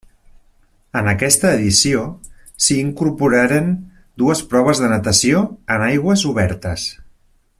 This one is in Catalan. En aquesta edició s'hi incorporaren dues proves de natació en aigües obertes.